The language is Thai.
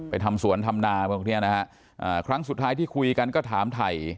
ทำสวนทำนาพวกเนี้ยนะฮะอ่าครั้งสุดท้ายที่คุยกันก็ถามถ่าย